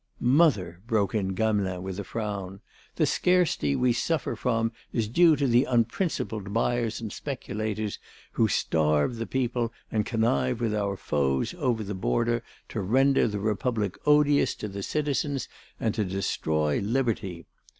"Mother," broke in Gamelin with a frown, "the scarcity we suffer from is due to the unprincipled buyers and speculators who starve the people and connive with our foes over the border to render the Republic odious to the citizens and to destroy liberty.